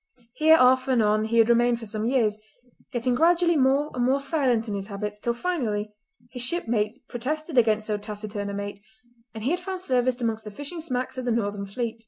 Here off and on he had remained for some years, getting gradually more and more silent in his habits, till finally his shipmates protested against so taciturn a mate, and he had found service amongst the fishing smacks of the northern fleet.